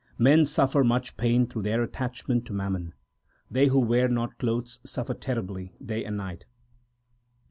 Men suffer much pain through their attachment to mammon. They who wear not clothes suffer terribly day and night.